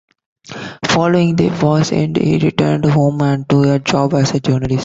Following the war's end, he returned home and to a job as a journalist.